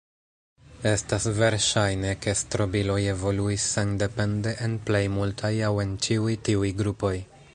Estas verŝajne ke strobiloj evoluis sendepende en plej multaj aŭ en ĉiuj tiuj grupoj.